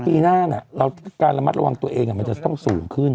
ปีหน้าการระมัดระวังตัวเองมันจะต้องสูงขึ้น